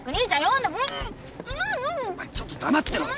お前ちょっと黙ってろ。